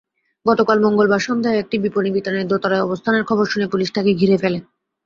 গতকাল মঙ্গলবার সন্ধ্যায় একটি বিপণিবিতানের দোতলায় অবস্থানের খবর শুনে পুলিশ তাঁকে ঘিরে ফেলে।